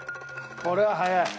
これは早い。